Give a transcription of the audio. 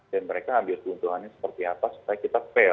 dan mereka ambil keuntungannya seperti apa supaya kita fair